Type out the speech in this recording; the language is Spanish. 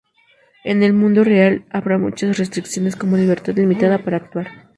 En el mundo real habrá muchas restricciones como libertad limitada para actuar.